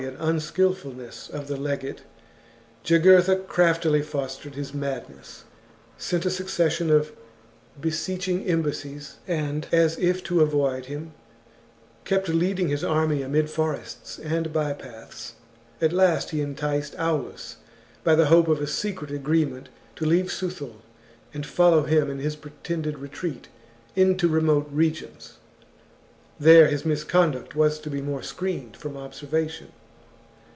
XXXVIII and unskilfulness of the legate, Jugurtha craftily fostered his madness, sent a succession of beseech 164 THE JUGURTHINE WAR. xxxvHi '"^ embassies, and, as if to avoid him, kept leading his army amid forests and bypaths. At last he enticed Aulus by the hope of a secret agreement, to leave Suthul and follow him in his pretended retreat into remote regions. • [There his misconduct was to be more screened from observation.